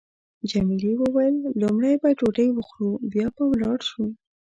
جميلې وويل: لومړی به ډوډۍ وخورو بیا به ولاړ شو.